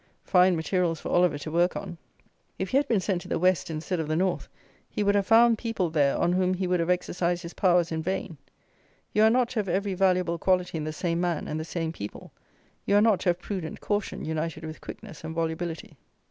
Fine materials for Oliver to work on! If he had been sent to the west instead of the north, he would have found people there on whom he would have exercised his powers in vain. You are not to have every valuable quality in the same man and the same people: you are not to have prudent caution united with quickness and volubility.